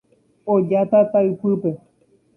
Oja tata ypýpe.